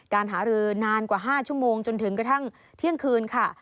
การหารือนานกว่า๕ชั่วโมงจนกระทั่งเที่ยงคืนค่ะ